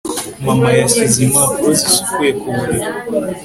Mama yashyize impapuro zisukuye ku buriri